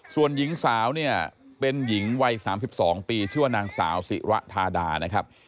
ส่วนหญิงสาวเป็นหญิงวัย๓๒ปีชื่อนางสาวสิระธาดา